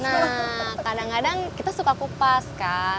nah kadang kadang kita suka kupas kan